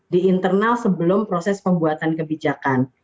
di internal sebelum proses pembuatan kebijakan